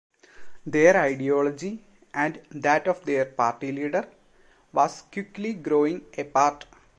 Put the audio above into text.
Their ideology and that of their party leader, was quickly growing apart.